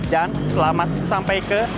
dan selamat sampai ke